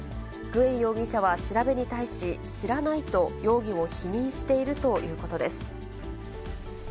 グエン容疑者は調べに対し、知らないと容疑を否認しているということです。